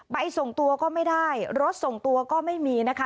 ส่งตัวก็ไม่ได้รถส่งตัวก็ไม่มีนะคะ